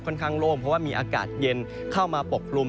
ข้างโล่งเพราะว่ามีอากาศเย็นเข้ามาปกกลุ่ม